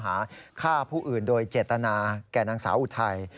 หาฆ่าผู้อื่นโดยเจตนาแก่นางสาวอุทัย